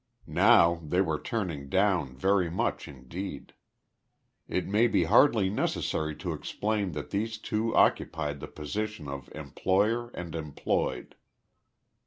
Now they were turning down very much indeed. It may be hardly necessary to explain that these two occupied the position of employer and employed.